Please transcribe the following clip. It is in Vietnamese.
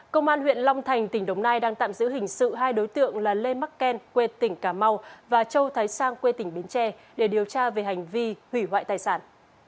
công an huyện long thành tỉnh đồng nai đang tạm giữ hình sự hai đối tượng là lê men quê tỉnh cà mau và châu thái sang quê tỉnh bến tre để điều tra về hành vi hủy hoại tài sản